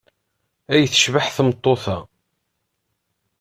Ay tecbeḥ tmeṭṭut-a!